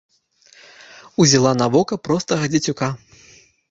Узяла на вока простага дзецюка.